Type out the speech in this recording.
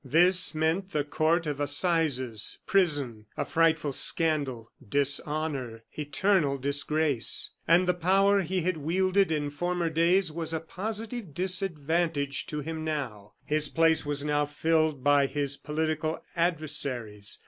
This meant the Court of Assizes, prison, a frightful scandal, dishonor, eternal disgrace! And the power he had wielded in former days was a positive disadvantage to him now. His place was now filled by his political adversaries.